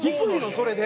それで？